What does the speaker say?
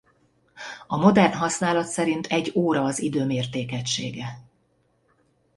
A modern használat szerint egy óra az idő mértékegysége.